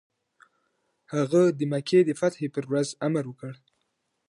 هغه د مکې د فتحې پر ورځ امر وکړ.